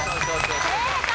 正解！